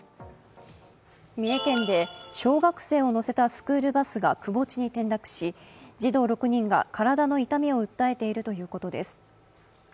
三重県で小学生を乗せたスクールバスがくぼ地に転落し児童６人が体の痛みを訴えているということです。